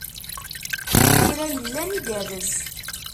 Kra yellan igerrez.